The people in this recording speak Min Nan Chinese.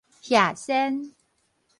瓦 sian